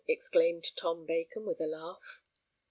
exclaimed Tom Bacon, with a laugh.